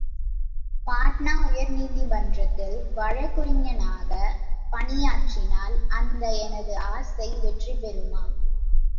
பாட்னா உயர்நீதி மன்றத்தில் வழக்குரைஞனாகப் பணியாற்றினால் அந்த எனது ஆசை வெற்றி பெறுமா?